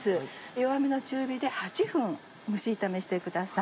弱めの中火で８分蒸し炒めしてください。